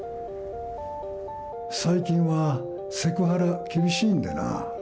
最近は、セクハラ、厳しいんでなぁ。